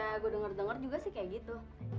ya gue denger denger juga sih kayak gitu